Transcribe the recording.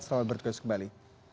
salam berkos kembali